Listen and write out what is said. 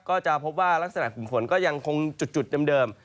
ก็จะพบว่ารักษณะกลุ่มฝนก็ยังคงจุดเดิม